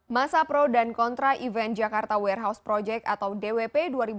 masa pro dan kontra event jakarta warehouse project atau dwp dua ribu dua puluh